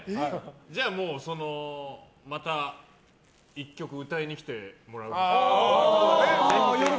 じゃあ、また１曲歌いに来てもらうとか。